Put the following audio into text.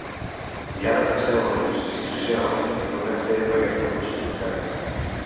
I ara penseu en la justícia social que podrem fer amb aquesta prosperitat.